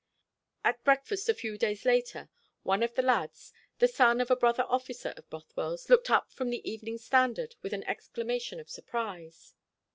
At breakfast a few days later one of the lads, the son of a brother officer of Bothwell's, looked up from the Evening Standard with an exclamation of surprise.